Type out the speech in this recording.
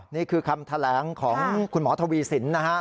นี่คือคำแถลงของคุณหมอทวีสินนะฮะ